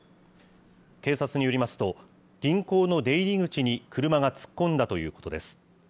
警察によりますと、銀行の出入り口に車が突っ込んだということです。